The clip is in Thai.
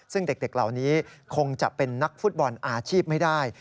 ซึ่งเด็กเหล่านี้คงจะเป็นนักฟุตบอลอาชีพไม่ได้